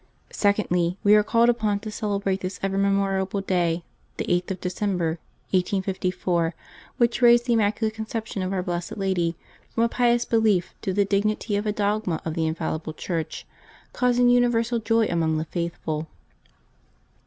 Secondly, we are called upon to celebrate that ever memor able day, the 8th of December, 1854, which raised the Im maculate Conception of Our Blessed Ladv from a pious belief to the dignity of a dogma of the Infallible Church, causing universal joy among the faithful.